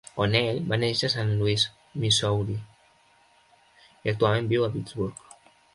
O'Neill va néixer a Saint Louis (Missouri) i actualment viu a Pittsburgh.